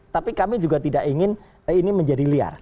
tapi kami juga tidak ingin ini menjadi liar